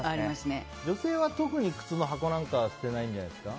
女性は特に靴の箱なんか捨てないんじゃないですか。